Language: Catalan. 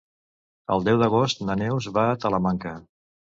El deu d'agost na Neus va a Talamanca.